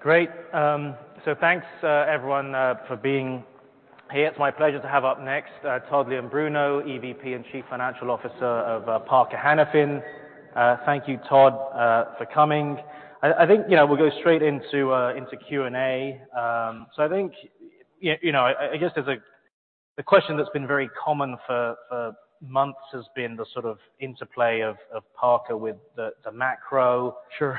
Great. Thanks, everyone, for being here. It's my pleasure to have up next, Todd Leombruno, EVP and Chief Financial Officer of Parker-Hannifin. Thank you, Todd, for coming. I think, you know, we'll go straight into Q&A. I think, you know, I guess there's the question that's been very common for months has been the sort of interplay of Parker with the macro. Sure.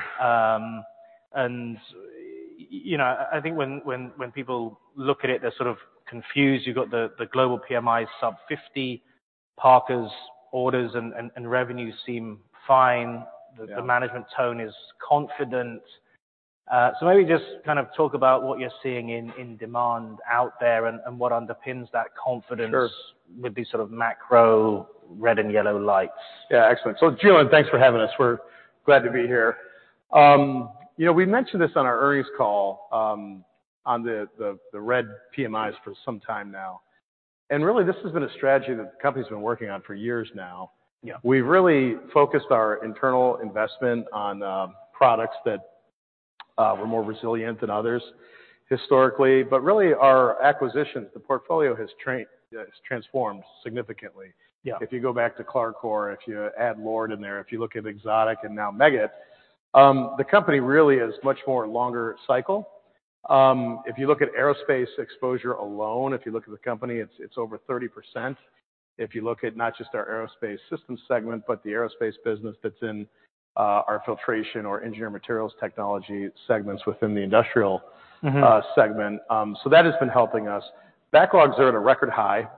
you know, I think when people look at it, they're sort of confused. You've got the global PMI sub 50. Parker's orders and revenues seem fine. Yeah. The management tone is confident. Maybe just kind of talk about what you're seeing in demand out there and what underpins that confidence. Sure... with these sort of macro red and yellow lights. Yeah. Excellent. Julian, thanks for having us. We're glad to be here. you know, we mentioned this on our earnings call, on the red PMIs for some time now. Really, this has been a strategy that the company's been working on for years now. Yeah. We've really focused our internal investment on products that were more resilient than others historically. Really, our acquisitions, the portfolio has transformed significantly. Yeah. If you go back to CLARCOR, if you add LORD in there, if you look at Exotic and now Meggitt, the company really is much more longer cycle. If you look at Aerospace exposure alone, if you look at the company, it's over 30%. If you look at not just our Aerospace Systems segment, but the Aerospace business that's in our Filtration or Engineered Materials technology segments within the industrial. Mm-hmm segment. That has been helping us. Backlogs are at a record high,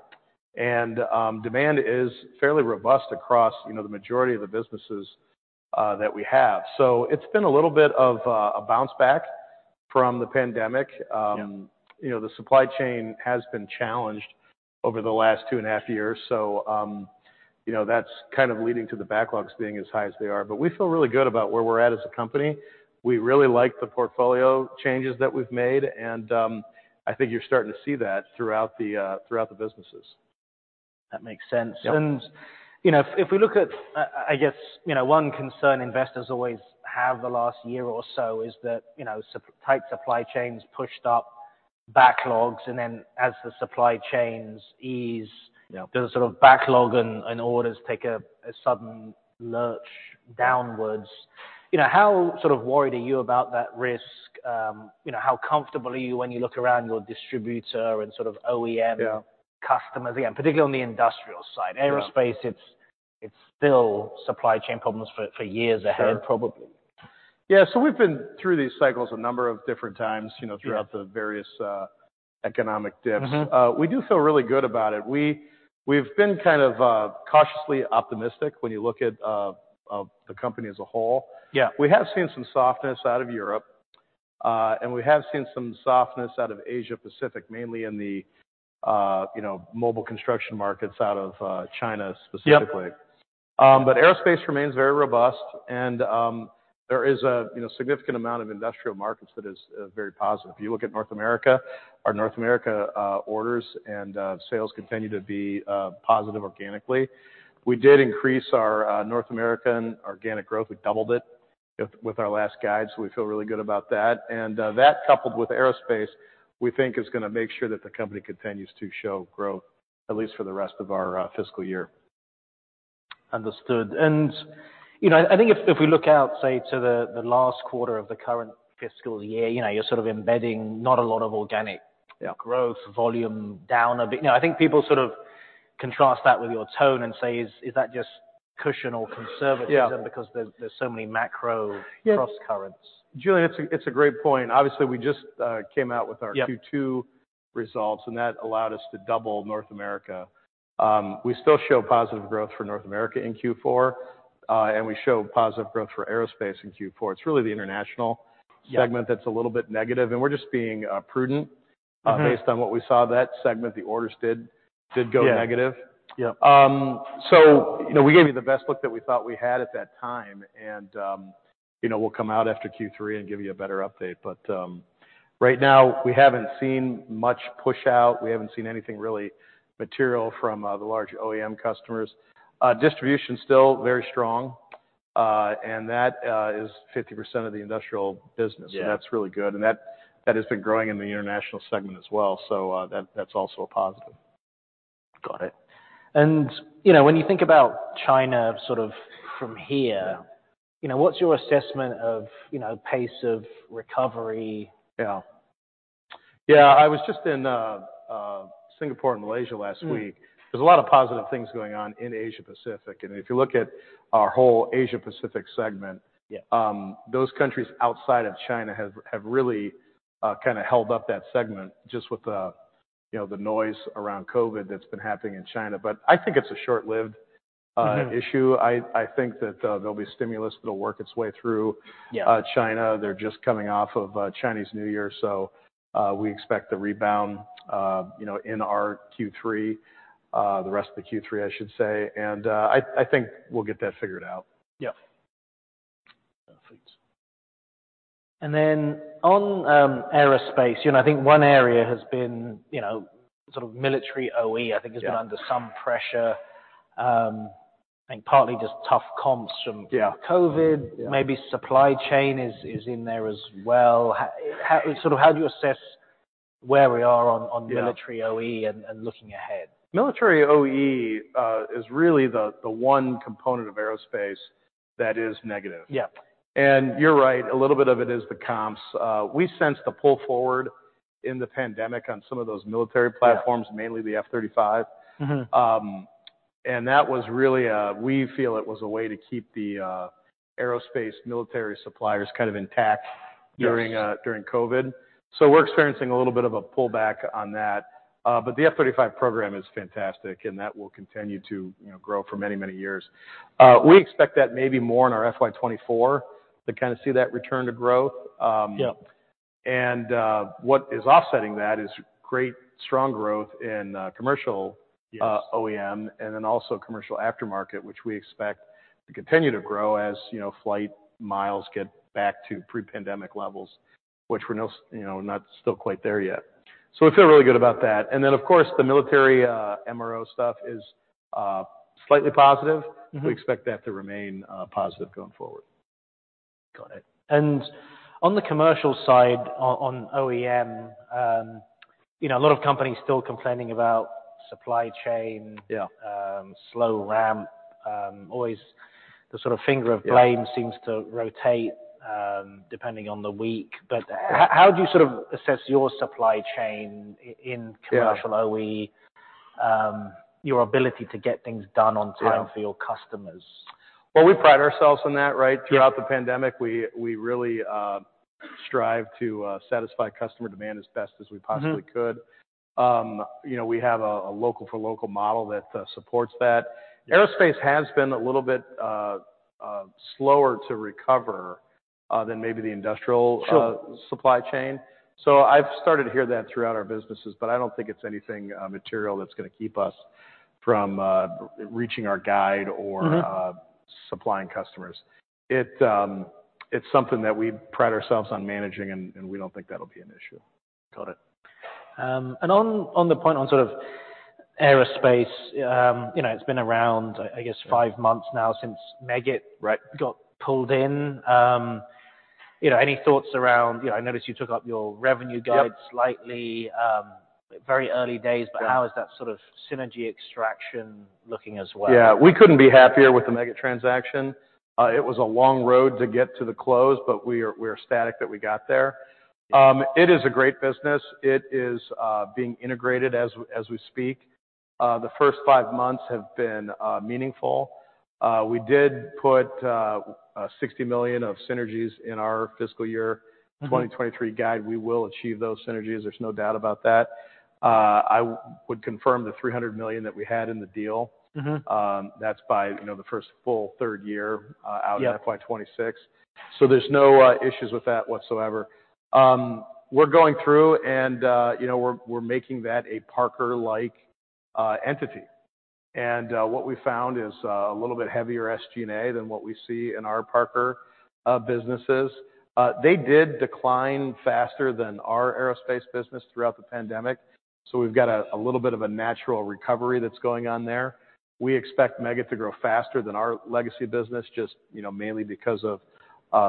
and demand is fairly robust across, you know, the majority of the businesses that we have. It's been a little bit of a bounce back from the pandemic. Yeah you know, the supply chain has been challenged over the last 2.5 years, you know, that's kind of leading to the backlogs being as high as they are. We feel really good about where we're at as a company. We really like the portfolio changes that we've made, I think you're starting to see that throughout the throughout the businesses. That makes sense. Yeah. You know, if we look at, I guess, you know, one concern investors always have the last year or so is that, you know, tight supply chains pushed up backlogs, and then as the supply chains ease. Yeah... does the sort of backlog and orders take a sudden lurch downwards. You know, how sort of worried are you about that risk? You know, how comfortable are you when you look around your distributor and sort of OEM- Yeah... customers? Again, particularly on the industrial side. Yeah. Aerospace, it's still supply chain problems for years ahead. Sure... probably. Yeah. We've been through these cycles a number of different times, you know... Yeah... throughout the various economic dips. Mm-hmm. We do feel really good about it. We've been kind of, cautiously optimistic when you look at, the company as a whole. Yeah. We have seen some softness out of Europe, and we have seen some softness out of Asia Pacific, mainly in the, you know, mobile construction markets out of China specifically. Yep. Aerospace remains very robust and, you know, there is a significant amount of industrial markets that is very positive. If you look at North America, our North America orders and sales continue to be positive organically. We did increase our North American organic growth. We doubled it with our last guide, we feel really good about that. That coupled with aerospace, we think is gonna make sure that the company continues to show growth at least for the rest of our fiscal year. Understood. you know, I think if we look out, say to the last quarter of the current fiscal year, you know, you're sort of embedding not a lot of. Yeah... growth volume down a bit. You know, I think people sort of contrast that with your tone and say, is that just cushion or conservatism-? Yeah... because there's so many... Yeah... crosscurrents. Julian, it's a great point. Obviously, we just came out with our. Yeah... Q2 results, and that allowed us to double North America. We still show positive growth for North America in Q4, and we show positive growth for Aerospace in Q4. It's really the international-. Yeah... segment that's a little bit negative, and we're just being prudent. Mm-hmm. based on what we saw, that segment, the orders did go negative. Yeah. Yeah. You know, we gave you the best look that we thought we had at that time and, you know, we'll come out after Q3 and give you a better update. Right now we haven't seen much push out. We haven't seen anything really material from the large OEM customers. Distribution's still very strong, and that is 50% of the industrial business. Yeah. That's really good. That has been growing in the international segment as well. That's also a positive. Got it. You know, when you think about China sort of from here. Yeah... you know, what's your assessment of, you know, pace of recovery? Yeah. Yeah. I was just in Singapore and Malaysia last week. Mm. There's a lot of positive things going on in Asia Pacific. If you look at our whole Asia Pacific segment. Yeah... those countries outside of China have really, kinda held up that segment just with the, you know, the noise around COVID-19 that's been happening in China. I think it's a short-lived. Mm-hmm... issue. I think that there'll be stimulus that'll work its way through-. Yeah China. They're just coming off of Chinese New Year, so we expect the rebound, you know, in our Q3, the rest of the Q3, I should say. I think we'll get that figured out. Yeah. Perfect. Then on aerospace, you know, I think one area has been, you know, sort of military OE. Yeah... has been under some pressure, I think partly just tough comps from. Yeah... COVID. Yeah. Maybe supply chain is in there as well. How do you assess where we are on military OE and looking ahead? Military OE is really the one component of aerospace that is negative. Yeah. You're right, a little bit of it is the comps. We sensed the pull forward in the pandemic on some of those military platforms. Yeah. mainly the F-35. Mm-hmm. That was really we feel it was a way to keep the aerospace military suppliers kind of intact. Yes... during COVID. We're experiencing a little bit of a pullback on that. The F-35 program is fantastic, and that will continue to, you know, grow for many, many years. We expect that maybe more in our FY 2024 to kind of see that return to growth. Yeah. What is offsetting that is great strong growth in commercial- Yes OEM and then also commercial aftermarket, which we expect to continue to grow as, you know, flight miles get back to pre-pandemic levels, which we're, you know, not still quite there yet. We feel really good about that. Of course, the military, MRO stuff is slightly positive. Mm-hmm. We expect that to remain positive going forward. Got it. On the commercial side, on OEM, you know, a lot of companies still complaining about supply chain. Yeah... slow ramp, always the sort of finger of blame- Yeah... seems to rotate, depending on the week. How do you sort of assess your supply chain in commercial OE, your ability to get things done on time for your customers? Well, we pride ourselves on that, right? Yeah. Throughout the pandemic, we really strive to satisfy customer demand as best as we possibly could. Mm-hmm. You know, we have a local for local model that supports that. Yeah. Aerospace has been a little bit slower to recover than maybe. Sure... supply chain. I've started to hear that throughout our businesses, but I don't think it's anything material that's gonna keep us from reaching our guide. Mm-hmm... supplying customers. It, it's something that we pride ourselves on managing, and we don't think that'll be an issue. Got it. On, on the point on sort of aerospace, you know, it's been around, I guess, five months now since Meggitt. Right... got pulled in. you know, any thoughts around... You know, I noticed you took up your revenue guide- Yeah slightly, very early days. Yeah. How is that sort of synergy extraction looking as well? Yeah. We couldn't be happier with the Meggitt transaction. It was a long road to get to the close, we're ecstatic that we got there. It is a great business. It is being integrated as we speak. The first five months have been meaningful. We did put $60 million of synergies in our Fiscal Year 2023 guide. Mm-hmm. We will achieve those synergies. There's no doubt about that. I would confirm the $300 million that we had in the deal. Mm-hmm. That's by, you know, the first full third year. Yeah out in FY 2026. There's no issues with that whatsoever. We're going through and, you know, we're making that a Parker-like entity. What we found is a little bit heavier SG&A than what we see in our Parker businesses. They did decline faster than our aerospace business throughout the pandemic, so we've got a little bit of a natural recovery that's going on there. We expect Meggitt to grow faster than our legacy business just, you know, mainly because of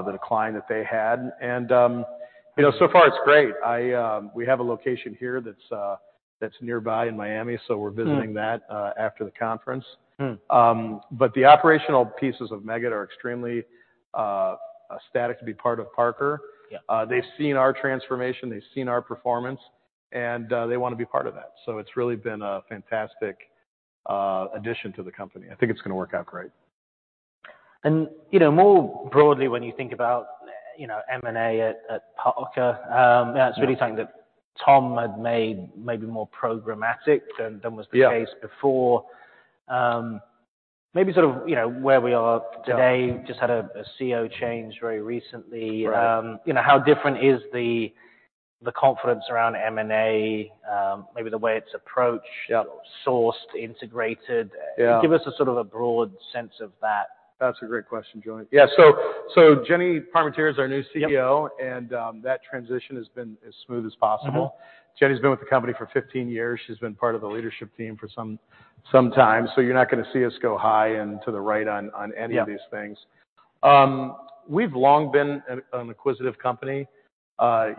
the decline that they had. You know, so far it's great. I, we have a location here that's nearby in Miami, so we're visiting that after the conference. Mm. The operational pieces of Meggitt are extremely ecstatic to be part of Parker. Yeah. They've seen our transformation, they've seen our performance, and they wanna be part of that. It's really been a fantastic addition to the company. I think it's gonna work out great. You know, more broadly, when you think about, you know, M&A at Parker. Yeah that's really something that Tom had made maybe more programmatic than was the case before. maybe sort of, you know, where we are today. Yeah. Just had a CEO change very recently. Right. you know, how different is the confidence around M&A, maybe the way it's approached? Yeah... sourced, integrated? Yeah. Give us a sort of a broad sense of that. That's a great question, Julian. Yeah. Jenny Parmentier is our new CEO. Yep. That transition has been as smooth as possible. Mm-hmm. Jenny's been with the company for 15 years. She's been part of the leadership team for some time. You're not gonna see us go high and to the right on any of these things. Yeah. We've long been an acquisitive company.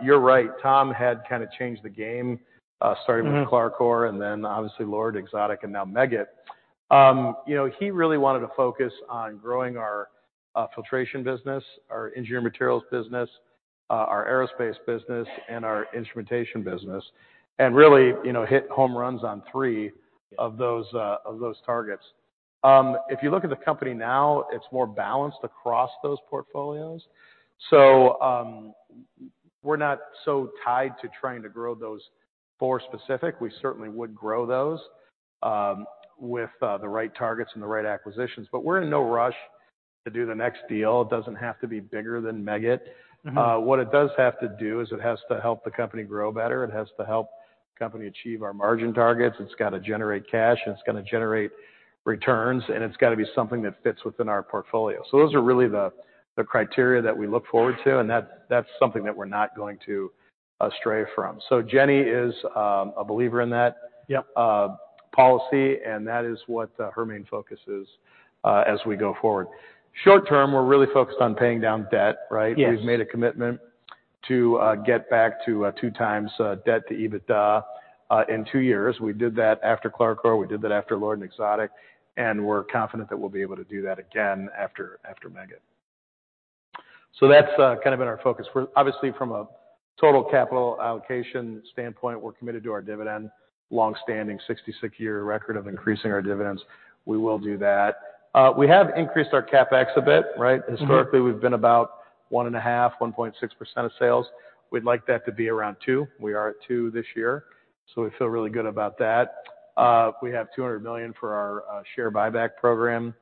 You're right, Tom had kind of changed the game, starting with CLARCOR and then obviously LORD, Exotic, and now Meggitt. You know, he really wanted to focus on growing our Filtration business, our Engineered Materials business, our Aerospace business, and our instrumentation business. Really, you know, hit home runs on three. Yeah... of those, of those targets. If you look at the company now, it's more balanced across those portfolios. We're not so tied to trying to grow those four specific. We certainly would grow those, with, the right targets and the right acquisitions, but we're in no rush to do the next deal. It doesn't have to be bigger than Meggitt. Mm-hmm. What it does have to do is it has to help the company grow better. It has to help company achieve our margin targets. It's gotta generate cash, and it's gotta generate returns, and it's gotta be something that fits within our portfolio. Those are really the criteria that we look forward to, and that's something that we're not going to astray from. Jenny is a believer in that. Yep. Policy, that is what, her main focus is, as we go forward. Short term, we're really focused on paying down debt, right? Yes. We've made a commitment to get back to 2x debt to EBITDA in two years. We did that after CLARCOR, we did that after LORD and Exotic, we're confident that we'll be able to do that again after Meggitt. That's kind of been our focus. Obviously from a total capital allocation standpoint, we're committed to our dividend, long-standing 66-year record of increasing our dividends. We will do that. We have increased our CapEx a bit, right? Mm-hmm. Historically, we've been about 1.5%, 1.6% of sales. We'd like that to be around 2%. We are at 2% this year, so we feel really good about that. We have $200 million for our share buyback program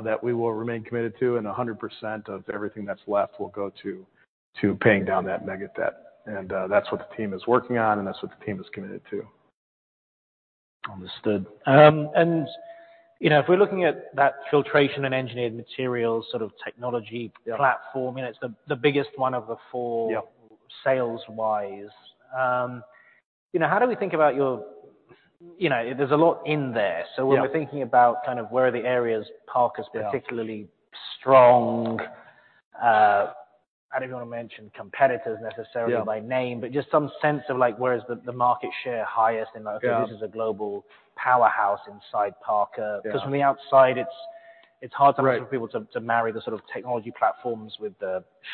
that we will remain committed to, and 100% of everything that's left will go to paying down that Meggitt debt. That's what the team is working on, and that's what the team is committed to. Understood. you know, if we're looking at that filtration and engineered materials sort of technology. Yeah... platform, and it's the biggest one of the four... Yeah sales wise. You know, how do we think about your... You know, there's a lot in there. Yeah. when we're thinking about kind of where are the areas Parker's-. Yeah... particularly strong. I don't want to mention competitors necessarily... Yeah... by name, but just some sense of like, where is the market share highest? Yeah. like this is a global powerhouse inside Parker. Yeah. Cause from the outside it's hard sometimes. Right... for people to marry the sort of technology platforms.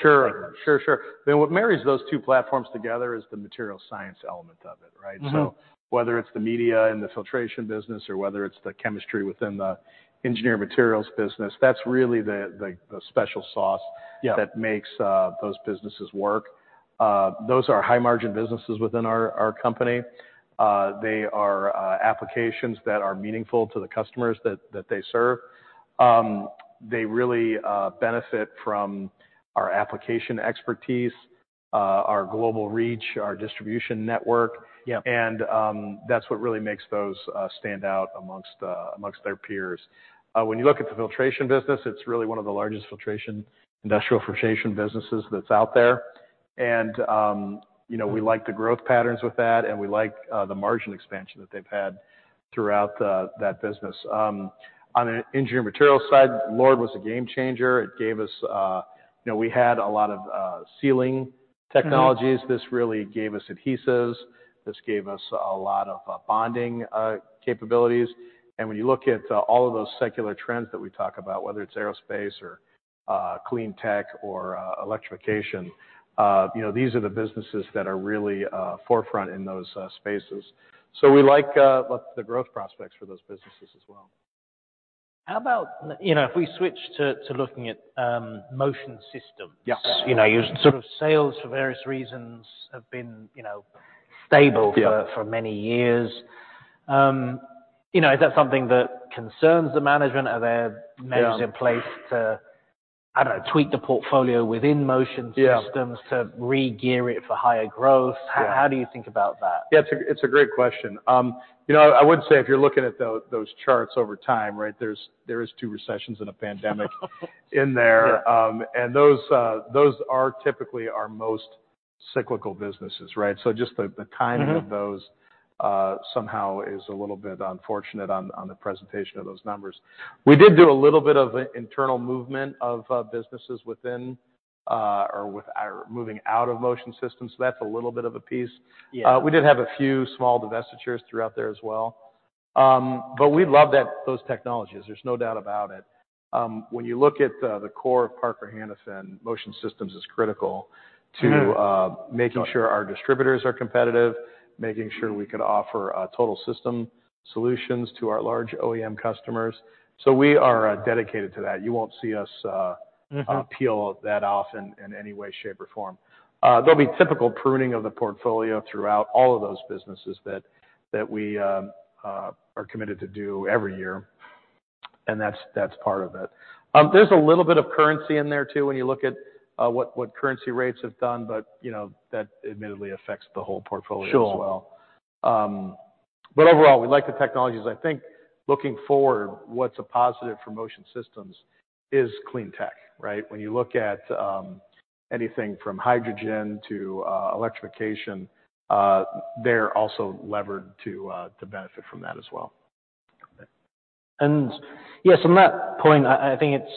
Sure. Sure, sure. What marries those two platforms together is the material science element of it, right? Mm-hmm. Whether it's the media and the filtration business or whether it's the chemistry within the engineering materials business, that's really the special sauce. Yeah... that makes those businesses work. Those are high margin businesses within our company. They are applications that are meaningful to the customers that they serve. They really benefit from our application expertise, our global reach, our distribution network. Yeah. That's what really makes those stand out amongst their peers. When you look at the filtration business, it's really one of the largest industrial filtration businesses that's out there. You know, we like the growth patterns with that, and we like the margin expansion that they've had throughout that business. On the engineering materials side, LORD was a game changer. It gave us. You know, we had a lot of sealing technologies. Mm-hmm. This really gave us adhesives. This gave us a lot of bonding capabilities. When you look at all of those secular trends that we talk about, whether it's aerospace or clean tech or electrification, you know, these are the businesses that are really forefront in those spaces. We like the growth prospects for those businesses as well. How about, you know, if we switch to looking at Motion Systems. Yeah. You know, your sort of sales for various reasons have been, you know, stable... Yeah for many years. You know, is that something that concerns the management? Are there? Yeah... in place to, I don't know, tweak the portfolio within Motion Systems. Yeah... to regear it for higher growth? Yeah. How do you think about that? Yeah, it's a great question. You know, I would say if you're looking at those charts over time, right? There is two recessions and a pandemic in there. Yeah. Those are typically our most cyclical businesses, right? Just the timing of those. Mm-hmm... somehow is a little bit unfortunate on the presentation of those numbers. We did do a little bit of internal movement of businesses within, or moving out of Motion Systems, so that's a little bit of a piece. Yeah. We did have a few small divestitures throughout there as well. We love those technologies, there's no doubt about it. When you look at the core of Parker-Hannifin, Motion Systems is critical to. Mm-hmm... making sure our distributors are competitive, making sure we can offer total system solutions to our large OEM customers, so we are dedicated to that. You won't see us. Mm-hmm peel that off in any way, shape, or form. There'll be typical pruning of the portfolio throughout all of those businesses that we are committed to do every year, and that's part of it. There's a little bit of currency in there too, when you look at what currency rates have done. You know, that admittedly affects the whole portfolio as well. Sure. Overall, we like the technologies. I think looking forward, what's a positive for Motion Systems is clean tech, right? When you look at, anything from hydrogen to electrification, they're also levered to benefit from that as well. Yes, on that point, I think it's,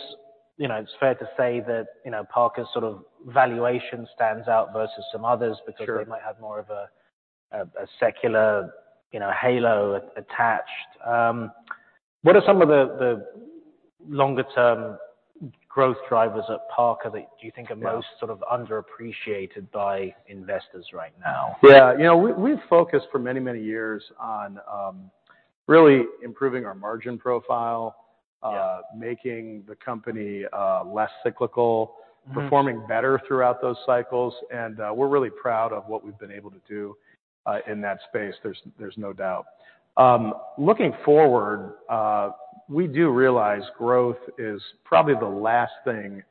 you know, it's fair to say that, you know, Parker's sort of valuation stands out versus some others. Sure... because they might have more of a secular, you know, halo attached. What are some of the longer term growth drivers at Parker that you think are most- Yeah sort of underappreciated by investors right now? Yeah. You know, we've focused for many, many years on really improving our margin profile. Yeah. making the company, less cyclical. Mm-hmm. Performing better throughout those cycles and we're really proud of what we've been able to do in that space. There's no doubt. Looking forward, we do realize growth is probably the last thing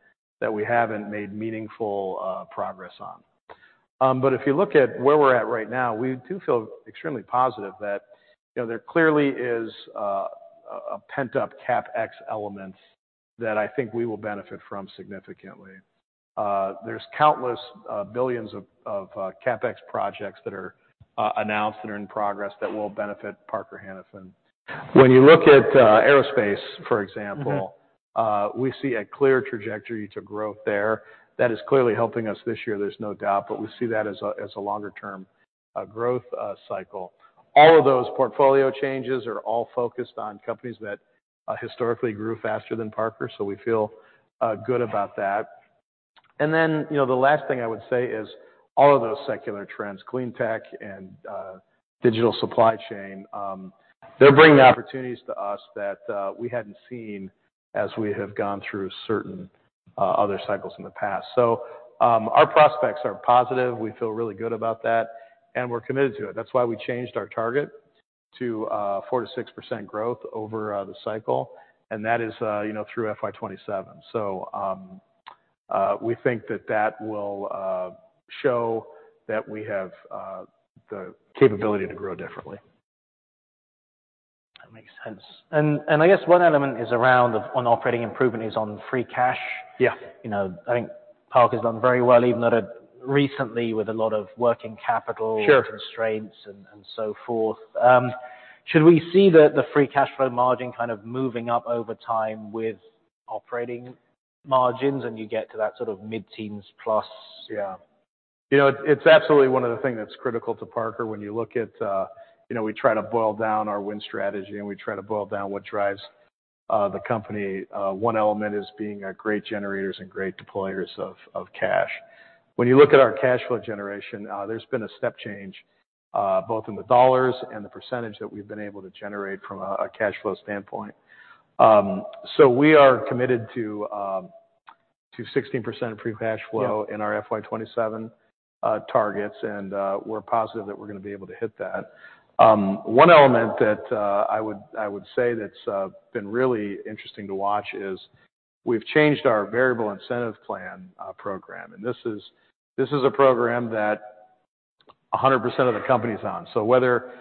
that we haven't made meaningful progress on. If you look at where we're at right now, we do feel extremely positive that, you know, there clearly is a pent-up CapEx element that I think we will benefit from significantly. There's countless billions of CapEx projects that are announced that are in progress that will benefit Parker-Hannifin Corporation. When you look at aerospace, for example- Mm-hmm. We see a clear trajectory to growth there that is clearly helping us this year, there's no doubt, but we see that as a longer term growth cycle. All of those portfolio changes are all focused on companies that historically grew faster than Parker. We feel good about that. You know, the last thing I would say is all of those secular trends, clean tech and digital supply chain, they're bringing opportunities to us that we hadn't seen as we have gone through certain other cycles in the past. Our prospects are positive. We feel really good about that, and we're committed to it. That's why we changed our target to 4%-6% growth over the cycle. That is, you know, through FY 2027. We think that that will show that we have the capability to grow differently. That makes sense. I guess one element is around of on operating improvement is on free cash. Yeah. You know, I think Parker's done very well, even recently with a lot of working capital. Sure. constraints and so forth. Should we see the free cash flow margin kind of moving up over time with operating margins, and you get to that sort of mid-teens plus? Yeah. You know, it's absolutely one of the things that's critical to Parker when you look at, you know, we try to boil down our The Win Strategy, and we try to boil down what drives the company. One element is being a great generators and great deployers of cash. When you look at our cash flow generation, there's been a step change, both in the dollars and the percentage that we've been able to generate from a cash flow standpoint. We are committed to 16% free cash flow. Yeah. in our FY 2027 targets, and we're positive that we're gonna be able to hit that. One element that I would say that's been really interesting to watch is we've changed our variable incentive plan program. This is a program that 100% of the company's on. Whether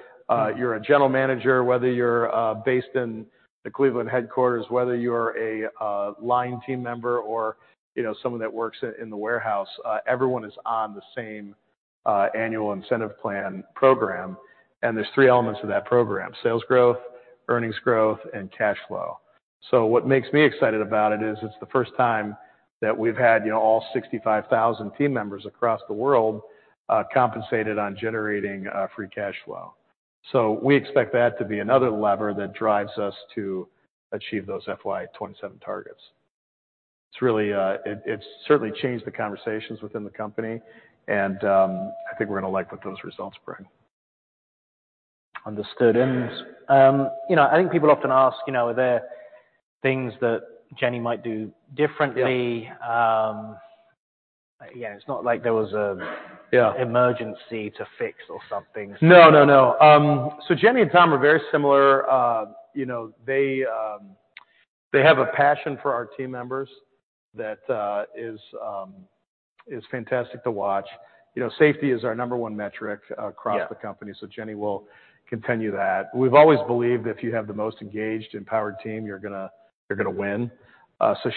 you're a general manager, whether you're based in the Cleveland headquarters, whether you're a line team member or, you know, someone that works in the warehouse, everyone is on the same annual incentive plan program. There's three elements of that program: sales growth, earnings growth, and cash flow. What makes me excited about it is it's the first time that we've had, you know, all 65,000 team members across the world compensated on generating free cash flow. We expect that to be another lever that drives us to achieve those FY 2027 targets. It's really, It's certainly changed the conversations within the company and, I think we're gonna like what those results bring. Understood. You know, I think people often ask, you know, are there things that Jenny might do differently? Yeah. Yeah, it's not like there was... Yeah. -emergency to fix or something. No, no. Jenny and Tom are very similar. You know, they have a passion for our team members that is fantastic to watch. You know, safety is our number one metric. Yeah. the company, Jenny will continue that. We've always believed if you have the most engaged, empowered team, you're gonna win.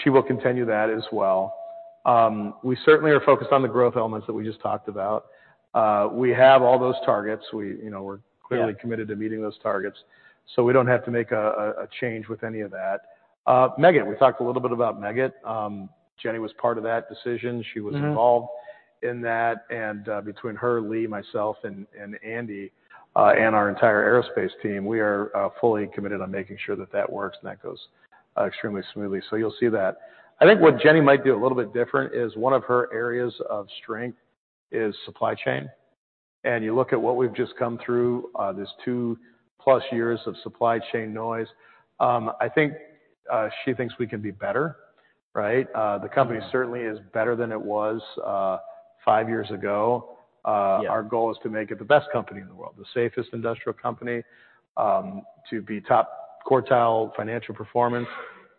She will continue that as well. We certainly are focused on the growth elements that we just talked about. We have all those targets. We, you know, Yeah. -clearly committed to meeting those targets, so we don't have to make a change with any of that. Meggitt, we talked a little bit about Meggitt. Jenny was part of that decision. Mm-hmm. She was involved in that. Between her, Lee, myself and Andy and our entire Aerospace team, we are fully committed on making sure that that works and that goes extremely smoothly. You'll see that. I think what Jenny might do a little bit different is one of her areas of strength is supply chain. You look at what we've just come through, this two plus years of supply chain noise. I think she thinks we can be better, right? Yeah. certainly is better than it was, 5 years ago. Yeah. Our goal is to make it the best company in the world, the safest industrial company, to be top quartile financial performance.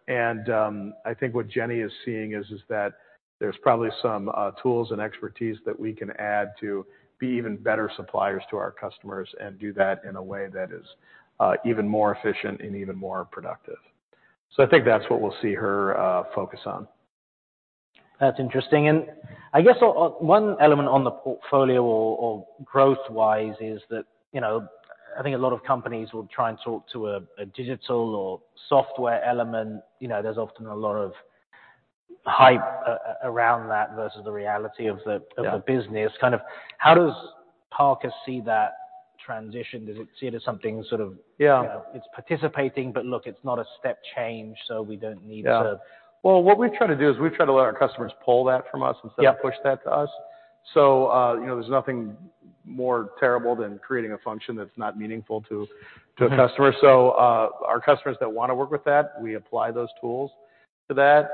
I think what Jenny is seeing is that there's probably some tools and expertise that we can add to be even better suppliers to our customers and do that in a way that is even more efficient and even more productive. I think that's what we'll see her focus on. That's interesting. I guess one element on the portfolio or growth-wise is that, you know, I think a lot of companies will try and talk to a digital or software element. You know, there's often a lot of hype around that versus the reality of. Yeah. of the business. Kind of how does Parker see that transition? Does it see it as something sort of- Yeah. You know, it's participating, but look, it's not a step change, so we don't need to- Yeah. Well, what we've tried to do is we've tried to let our customers pull that from us- Yeah. instead of push that to us. You know, there's nothing more terrible than creating a function that's not meaningful to a customer. Our customers that wanna work with that, we apply those tools to that.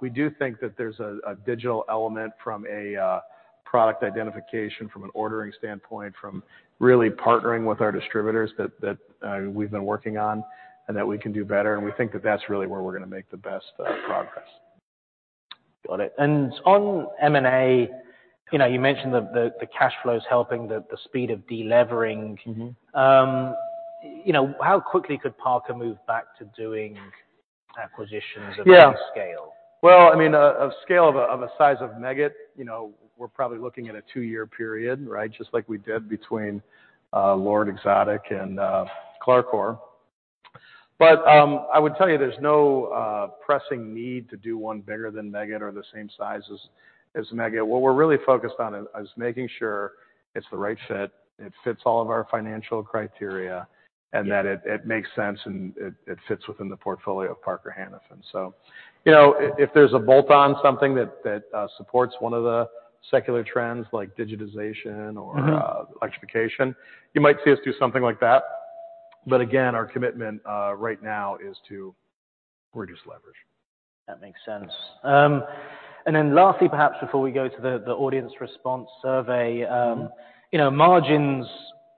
We do think that there's a digital element from a product identification, from an ordering standpoint, from really partnering with our distributors that we've been working on and that we can do better, and we think that that's really where we're gonna make the best progress. Got it. On M&A. You know, you mentioned the cash flow is helping the speed of delivering. Mm-hmm. you know, how quickly could Parker move back to doing acquisitions? Yeah of any scale? Well, I mean, a scale of Meggitt, you know, we're probably looking at a two-year period, right? Just like we did between LORD, Exotic and CLARCOR. I would tell you there's no pressing need to do one bigger than Meggitt or the same size as Meggitt. What we're really focused on is making sure it's the right fit, it fits all of our financial criteria. Yeah. That it makes sense and it fits within the portfolio of Parker-Hannifin Corporation. You know, if there's a bolt on something that supports one of the secular trends like digitization or- Mm-hmm. electrification, you might see us do something like that. Again, our commitment, right now is to reduce leverage. That makes sense, lastly, perhaps before we go to the audience response survey. Mm-hmm. you know, margins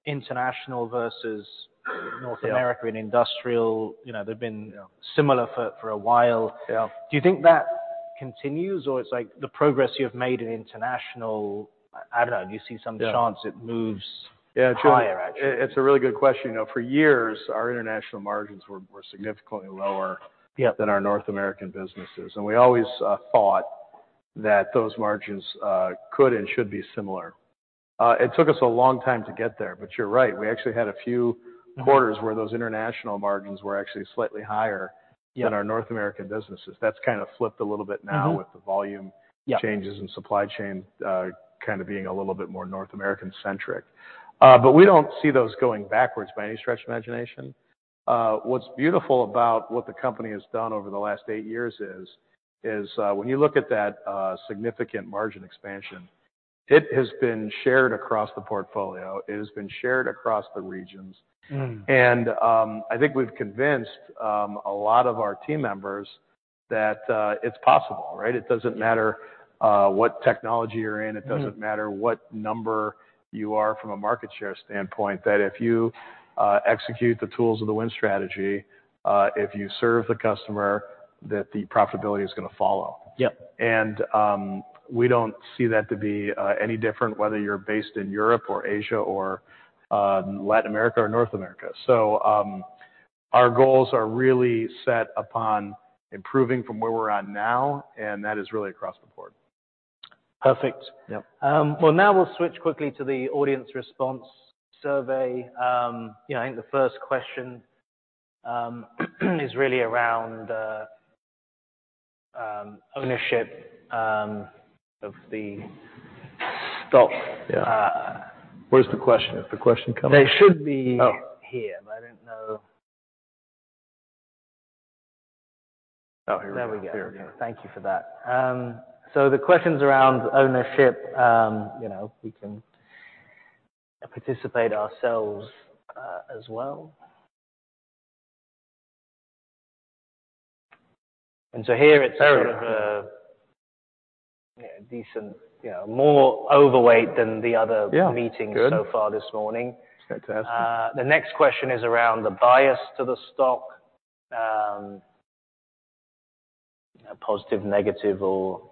international versus North America and industrial, you know, they've been similar for a while. Yeah. Do you think that continues or it's like the progress you've made in international... I don't know. Do you see some chance- Yeah. it moves higher, actually? Yeah. It's a really good question. You know, for years, our international margins were significantly lower- Yeah. -than our North American businesses, we always thought that those margins could and should be similar. It took us a long time to get there, you're right, we actually had a few quarters where those international margins were actually slightly higher. Yeah. than our North American businesses. That's kinda flipped a little bit now. Mm-hmm. with the volume Yeah. changes and supply chain, kinda being a little bit more North American centric. We don't see those going backwards by any stretch of imagination. What's beautiful about what the company has done over the last eight years is, when you look at that, significant margin expansion, it has been shared across the portfolio. It has been shared across the regions. Mm. I think we've convinced a lot of our team members that it's possible, right? It doesn't matter what technology you're in. Mm. It doesn't matter what number you are from a market share standpoint, that if you execute the tools of The Win Strategy, if you serve the customer, that the profitability is gonna follow. Yeah. We don't see that to be any different whether you're based in Europe or Asia or, Latin America or North America. Our goals are really set upon improving from where we're at now, and that is really across the board. Perfect. Yeah. Well, now we'll switch quickly to the audience response survey. You know, I think the first question is really around the ownership of the stock. Yeah. Where's the question? Is the question coming? They should. Oh. here. I don't know... Oh, here we go. There we go. Here we go. Thank you for that. The question's around ownership. You know, we can participate ourselves, as well. Here it's sort of a decent, you know, more overweight than the other. Yeah. Good. Meetings so far this morning. That's fantastic. The next question is around the bias to the stock, positive, negative or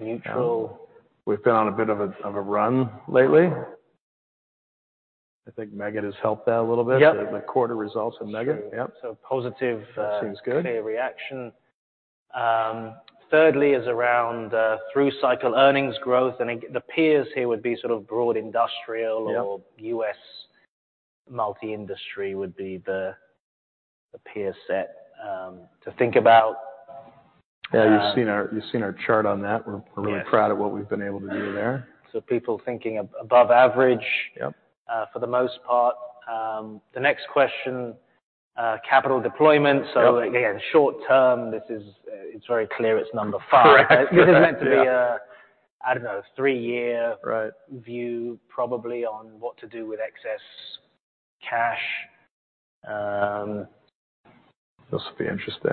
neutral. We've been on a bit of a run lately. I think Meggitt has helped that a little bit. Yeah. The quarter results of Meggitt. That's true. Yeah. positive. That seems good. -today reaction. Thirdly is around through cycle earnings growth, and the peers here would be sort of broad industrial- Yeah. -or U.S. multi-industry would be the peer set, to think about. Yeah. You've seen our chart on that. Yes. We're really proud of what we've been able to do there. People thinking above average. Yeah. For the most part. The next question, capital deployment. Yeah. Again, short term, this is. It's very clear it's number five. Correct. Yeah. This is meant to be a, I don't know, three-year-. Right. view probably on what to do with excess cash. This will be interesting.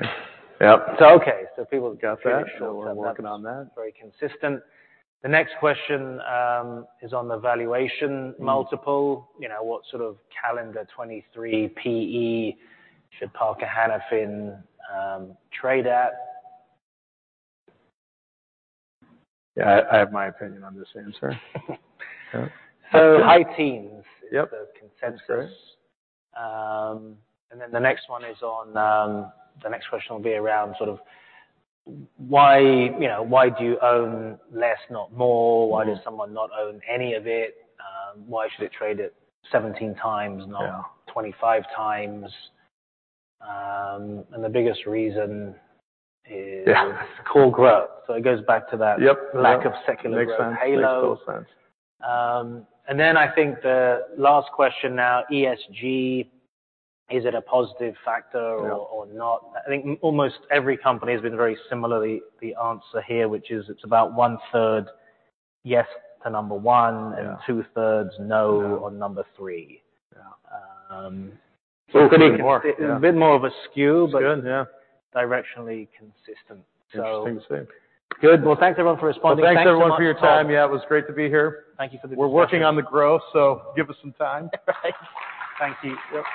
Yeah. Okay. So people have got that. Sure. We're working on that. Very consistent. The next question is on the valuation multiple. Mm-hmm. You know, what sort of calendar 2023 PE should Parker-Hannifin Corporation, trade at? Yeah. I have my opinion on this answer. high teens Yeah. is the consensus. That's great. The next question will be around sort of why, you know, why do you own less, not more? Mm-hmm. Why does someone not own any of it? Why should it trade at 17x. Yeah. not 25x? The biggest reason is. Yeah. core growth. It goes back to that. Yep. lack of secular growth halo. Makes sense. Makes total sense. I think the last question now, ESG, is it a positive factor or? Yeah. or not? I think almost every company has been very similarly the answer here, which is it's about 1/3 yes to number one. Yeah. 2/3 no- No. on number three. Yeah. a bit of consis- Yeah. A bit more of a skew. It's good. Yeah. Directionally consistent. Interesting. Good. Well, thanks everyone for responding. Well, thanks everyone for your time. Yeah, it was great to be here. Thank you for the. We're working on the growth. Give us some time. Right. Thank you. Yep.